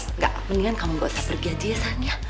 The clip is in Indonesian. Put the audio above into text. enggak mendingan kamu nggak usah pergi aja ya san ya